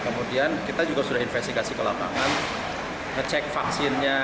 kemudian kita juga sudah investigasi ke lapangan ngecek vaksinnya